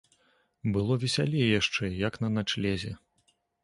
Было весялей яшчэ, як на начлезе.